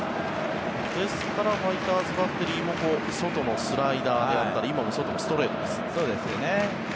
ですからファイターズバッテリーも外のスライダーであったり今も外のストレートですね。